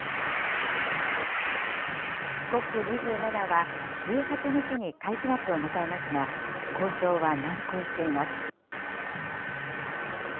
ＣＯＰ２７は、１８日に会期末を迎えますが、交渉は難航しています。